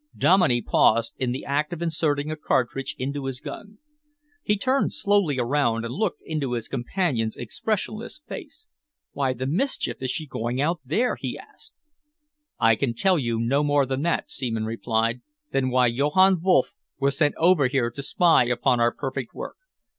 Dominey paused in the act of inserting a cartridge into his gun. He turned slowly around and looked into his companion's expressionless face. "Why the mischief is she going out there?" he asked. "I can no more tell you that," Seaman replied, "than why Johann Wolff was sent over here to spy upon our perfect work.